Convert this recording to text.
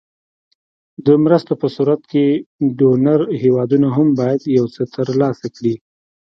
د مرستو په صورت کې ډونر هېوادونه هم باید یو څه تر لاسه کړي.